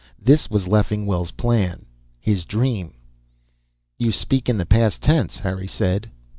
This was Leffingwell's plan, his dream." "You speak in the past tense," Harry said.